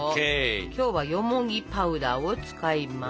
今日はよもぎパウダーを使います。